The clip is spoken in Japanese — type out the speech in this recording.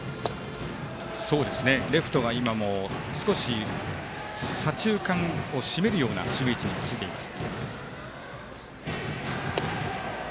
レフトが今も少し左中間をしめるような守備位置についています。